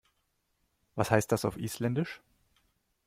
Was heißt das auf Isländisch?